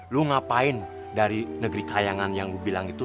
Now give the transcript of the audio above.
lo ngapain dari negeri kayangan yang lo bilang itu